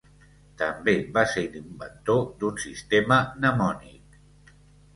També va ser l'inventor d'un sistema mnemònic.